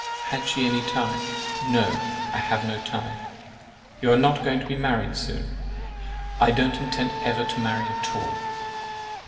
"Had she any tie?" "No, I have no tie!" "You are not going to be married soon?" "I don't intend ever to marry at all!"